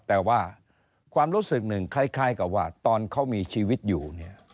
แต่ว่าความรู้สึกหนึ่งคล้ายกับว่าตอนเขามีชีวิตอยู่เนี่ย